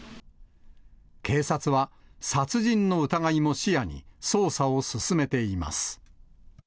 警察は殺人の疑いも視野に、捜査を進めています。